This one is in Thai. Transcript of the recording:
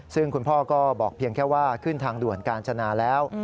ซึ่งคุณพ่อก็บอกเพียงแค่ว่าขึ้นทางด่วนกาญจนาแล้ว